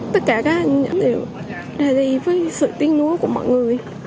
tất cả các anh đều ra đi với sự tin lúa của mọi người